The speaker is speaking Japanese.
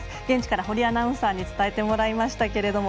現地から堀アナウンサーに伝えてもらいました。